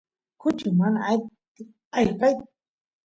kuchu mana atin ayqeyt